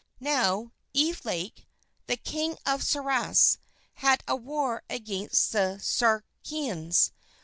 Now, Evelake, the king of Sarras, had a war against the Saracens.